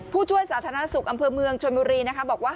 ผู้ช่วยสาธารณะศุกร์อำเฟอร์เมืองชนิยมิวรีบอกว่า